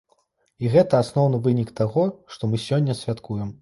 І гэта асноўны вынік таго, што мы сёння святкуем.